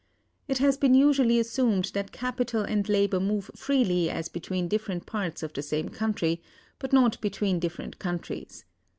It has been usually assumed that capital and labor move freely as between different parts of the same country, but not between different countries.